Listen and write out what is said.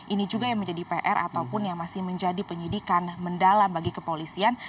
ini juga yang menjadi pr ataupun yang masih menjadi penyidikan mendalam bagi kepolisian